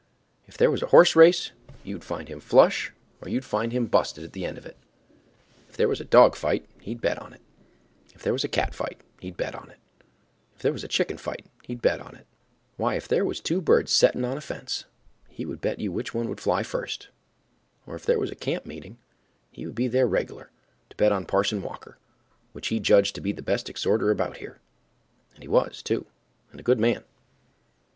If there was a horse race, you'd find him flush or you'd find him busted at the end of it; if there was a dog fight, he'd bet on it; if there was a cat fight, he'd bet on it; if there was a chicken fight, he'd bet on it; why, if there was two birds setting on a fence, he would bet you which one would fly first; or if there was a camp meeting, he would be there reg'lar to bet on Parson Walker, which he judged to be the best exhorter about here, and he was, too, and a good man.